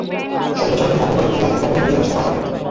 শব্দ ছাড়া, তুমি অন্ধকারের দুনিয়া থেকে কখনই বেরিয়ে আসতে পারবে না।